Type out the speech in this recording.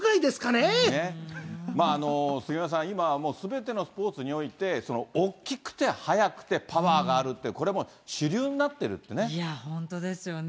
杉山さん、今、すべてのスポーツにおいて、大きくて速くてパワーがあるって、これもう、主流本当ですよね。